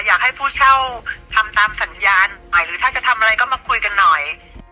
อยากให้ผู้เช่าทำตามสัญญาณใหม่หรือถ้าจะทำอะไรก็มาคุยกันหน่อย